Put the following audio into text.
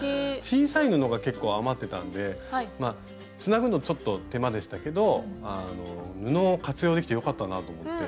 小さい布が結構余ってたんでつなぐのちょっと手間でしたけど布を活用できてよかったなあと思って。